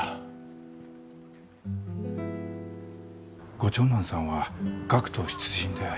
ご長男さんは学徒出陣で？